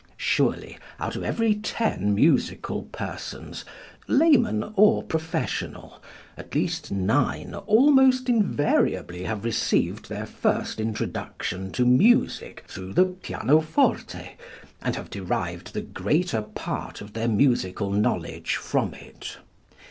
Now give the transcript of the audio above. Surely out of every ten musical persons, layman or professional, at least nine almost invariably have received their first introduction to music through the pianoforte and have derived the greater part of their musical knowledge from it.